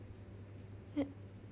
えっ？